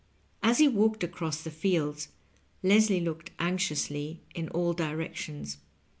As he walked across the fields, Leslie looked anx iously in all directions.